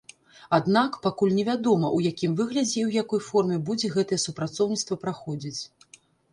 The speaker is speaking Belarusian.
Аднак, пакуль невядома, у якім выглядзе і ў якой форме будзе гэтае супрацоўніцтва праходзіць.